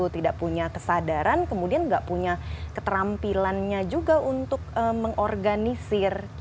tidak punya kesadaran kemudian tidak punya keterampilannya juga untuk mengorganisir